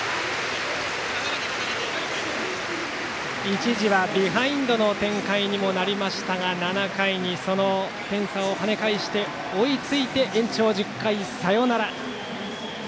一時はビハインドの展開にもなりましたが７回に、その点差を跳ね返して追いついて延長１０回の裏サヨナラ。